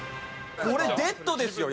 これデッドですよ。